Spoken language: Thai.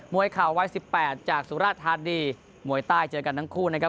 วยข่าววัย๑๘จากสุราธานีมวยใต้เจอกันทั้งคู่นะครับ